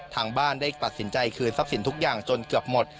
ทางบ้านได้ตัดสินใจคืนทรัพย์สินทุกอย่างจนเกือบหมด